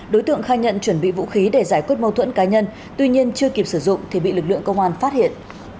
đối tượng khai nhận chuẩn bị vũ khí để giải quyết mâu thuẫn cá nhân tuy nhiên chưa kịp sử dụng thì bị lực lượng công an phát hiện